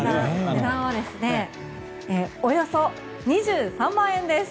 値段はおよそ２３万円です。